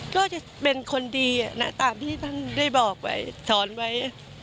ก็จะเป็นคนดีนะตามที่ท่านได้บอกไว้ถอนไว้